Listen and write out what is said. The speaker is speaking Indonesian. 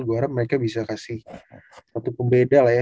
gue harap mereka bisa kasih satu pembeda lah ya